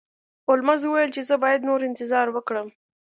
هولمز وویل چې زه باید نور انتظار وکړم.